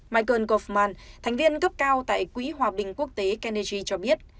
michael gofman thành viên cấp cao tại quỹ hòa bình quốc tế kennedy cho biết